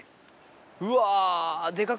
うわ。